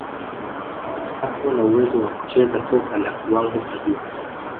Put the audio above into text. hakuwa na uwezo wa kucheza soka la kiwango cha juu